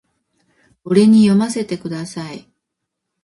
俺に読ませてください